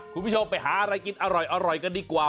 คุณผู้ชมไปหาอะไรกินอร่อยกันดีกว่า